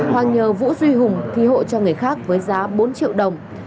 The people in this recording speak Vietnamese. hoàng nhờ vũ duy hùng thi hộ cho người khác với giá bốn triệu đồng